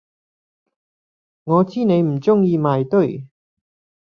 我知你唔中意埋堆！